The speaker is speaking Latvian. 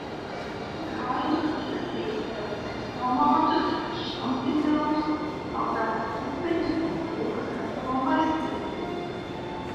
Gaidu, kad tie izvēlēsies tomātus, šampinjonus, saldētas pupiņas un kūkas gatavo maisījumu.